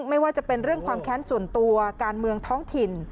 ไม่ว่าจะเป็นเรื่องความแค้นส่วนตัวการเมืองท้องถิ่น